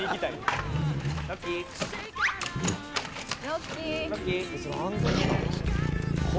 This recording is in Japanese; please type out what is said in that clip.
ロッキー。